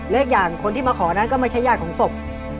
และอีกอย่างคนที่มาขอนั้นก็ไม่ใช่ญาติของศพ